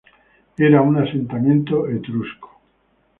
Era un asentamiento etrusco.